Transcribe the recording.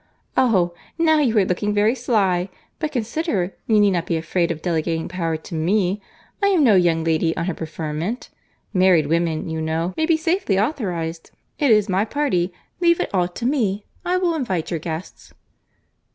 "Oh! now you are looking very sly. But consider—you need not be afraid of delegating power to me. I am no young lady on her preferment. Married women, you know, may be safely authorised. It is my party. Leave it all to me. I will invite your guests."